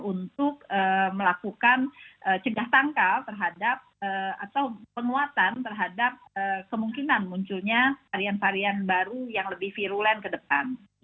untuk melakukan cegah tangkal terhadap atau penguatan terhadap kemungkinan munculnya varian varian baru yang lebih virulen ke depan